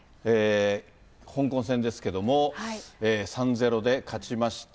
香港戦ですけれども、３ー０で勝ちました。